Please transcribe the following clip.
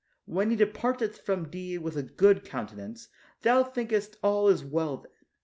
When he departeth from thee with a good countenance, thou thinkest all is well then.